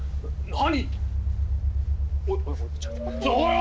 何！？